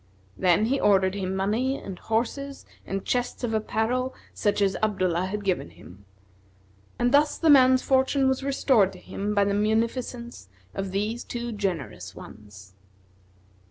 Then he ordered him money and horses and chests of apparel, such as Abdullah had given him; and thus that man's fortune was restored to him by the munificence of these two generous ones.